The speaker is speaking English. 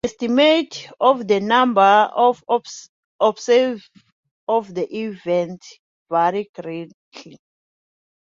Estimates of the number of observers of the event vary greatly.